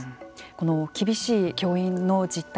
この厳しい教員の実態